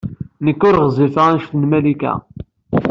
Nekk ur ɣezzifeɣ anect n Malika.